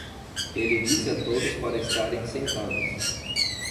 Ele disse a todos para estarem sentados.